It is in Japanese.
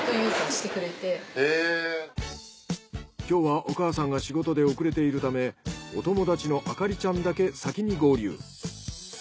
今日はお母さんが仕事で遅れているためお友達の明里ちゃんだけ先に合流。